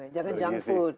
jangan junk food